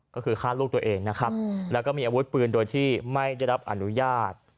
ก็คือฆ่าลูกตัวเองนะครับแล้วก็มีอาวุธปืนโดยที่ไม่ได้รับอนุญาต